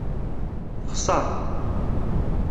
Texṣer.